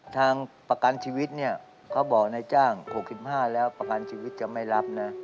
ทางประกันชีวิตเนี่ยเขาบอกนายจ้าง๖๕แล้วประกันชีวิตจะไม่รับนะ